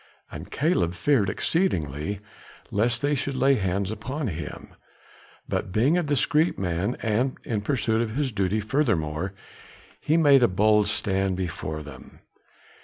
And Caleb feared exceedingly lest they should lay hands upon him; but being a discreet man and in pursuit of his duty furthermore, he made a bold stand before them.